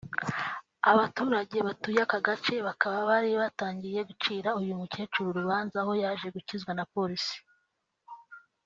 Abaturage batuye aka gace bakaba bari batangiye gucira uyu mukecuru urubanza aho yaje gukizwa na polisi